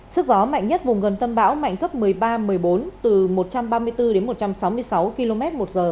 sức gió mạnh nhất vùng gần tâm bão mạnh cấp một mươi ba một mươi bốn từ một trăm ba mươi bốn đến một trăm sáu mươi sáu km một giờ